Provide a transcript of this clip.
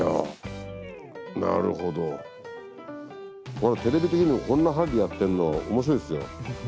これテレビ的にもこんな針でやってんの面白いっすよ。